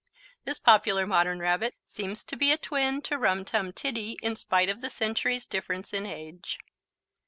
This popular modern Rabbit seems to be a twin to Rum Tum Tiddy in spite of the centuries' difference in age.